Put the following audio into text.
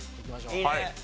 はい。